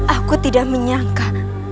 aku tidak menyangka